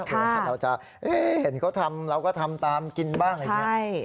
เวลาเราจะเห็นเขาทำเราก็ทำตามกินบ้างอะไรอย่างนี้